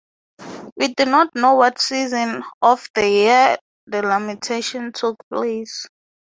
We do not know what season of the year the lamentation took place.